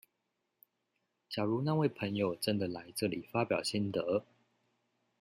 假如那位朋友真的來這邊發表心得